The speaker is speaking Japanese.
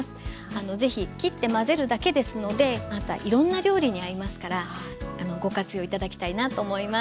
是非切って混ぜるだけですのでまたいろんな料理に合いますからご活用頂きたいなと思います。